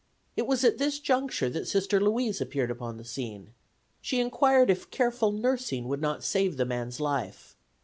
It was at this juncture that Sister Louise appeared upon the scene. She inquired if careful nursing would not save the man's life.